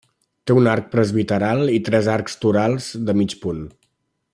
Té un arc presbiteral i tres arcs torals, de mig punt.